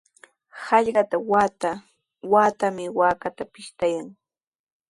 Hallqatraw wata-watami waakata pishtayan.